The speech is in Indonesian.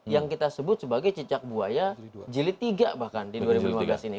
yang kita sebut sebagai cicak buaya jilid tiga bahkan di dua ribu lima belas ini